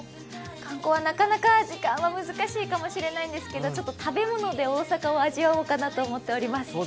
観光はなかなか時間は難しいかもしれないんですけどちょっと食べ物で大阪を味わおうかなと思っております。